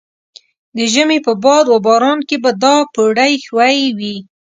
د ژمي په باد و باران کې به دا پوړۍ ښویې وې.